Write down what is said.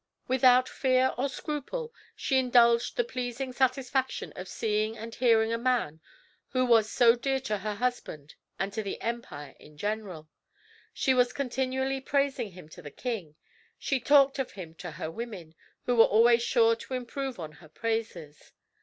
Without fear or scruple, she indulged the pleasing satisfaction of seeing and hearing a man who was so dear to her husband and to the empire in general. She was continually praising him to the king. She talked of him to her women, who were always sure to improve on her praises.